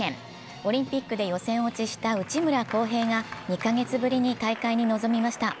オリンピックで予選落ちした内村航平が２カ月ぶりに大会に臨みました。